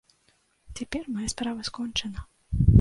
Цяпер мая справа скончана.